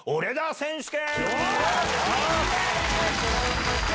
選手権！